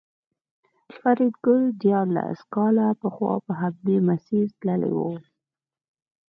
فریدګل دیارلس کاله پخوا په همدې مسیر تللی و